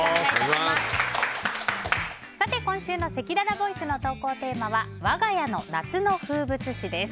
今週のせきららボイスの投稿テーマはわが家の夏の風物詩です。